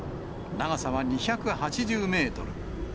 長さは２８０メートル。